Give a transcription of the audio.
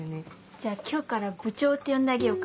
じゃあ今日から「部長」って呼んであげようか。